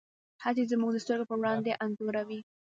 هڅې زموږ د سترګو په وړاندې انځوروي.